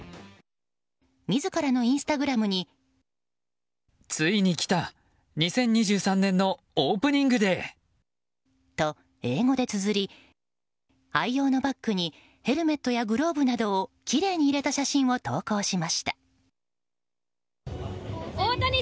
自らのインスタグラムについに来た２０２３年のオープニングデーと英語でつづり愛用のバッグにヘルメットグローブなどをきれいに入れた写真を投稿しました。